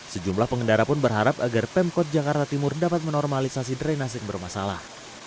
sejumlah pengendara pun berharap agar pemkot jakarta timur dapat menormalisasi drenase yang bermasalah